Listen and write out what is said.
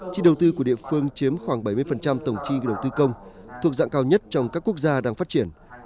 chi đầu tư của địa phương chiếm khoảng bảy mươi tổng chi đầu tư công thuộc dạng cao nhất trong các quốc gia đang phát triển